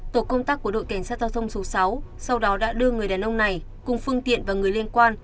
tổ công tác của đội cảnh sát giao thông số sáu sau đó đã đưa người đàn ông này cùng phương tiện và người liên quan